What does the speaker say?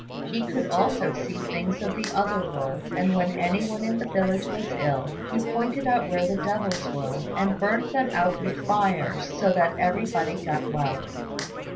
He could also see things of the other world; and when anyone in the village was ill, he pointed out where the devils were, and burnt them out with fire, so that everybody got well.